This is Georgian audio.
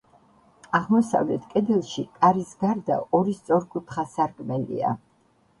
აღმოსავლეთ კედელში კარის გარდა ორი სწორკუთხა სარკმელია.